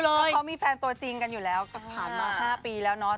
เพราะเขามีแฟนตัวจริงกันอยู่แล้วผ่านมา๕ปีแล้วเนาะ